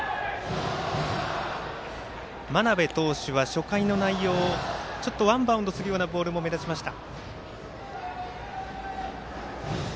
真鍋投手、初回の内容ワンバウンドするようなボールも目立ちました。